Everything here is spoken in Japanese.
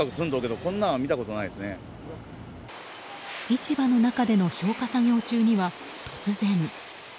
市場の中での消火作業中には突然。